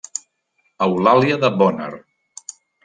Eulàlia de Bonner.